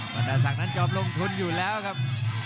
บรรดาศักดิ์นั้นยอมลงทุนอยู่แล้วครับ